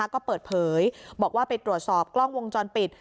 ก็เปิดเผยบอกว่าไปตรวจสอบกล้องวงจรปิด